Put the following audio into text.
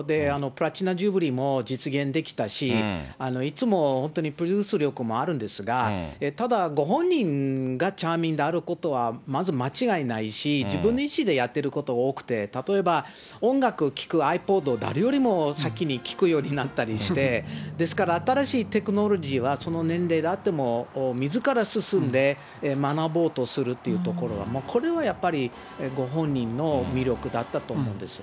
プラチナ・ジュビリーも実現できたし、いつも本当にプロデュース力もあるんですけど、ただご本人がチャーミングであることはまず間違いないし、自分の意思でやってること多くて、例えば音楽聴くｉＰｏｄを、誰よりも先に聴くようになったりして、ですから、新しいテクノロジーはその年齢であってもみずから進んで、学ぼうとするっていうところは、これはやっぱりご本人の魅力だったと思うんです。